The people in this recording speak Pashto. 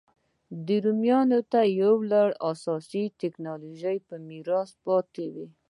رومیانو ته یو لړ اساسي ټکنالوژۍ په میراث پاتې وې